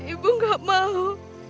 ibu tidak mau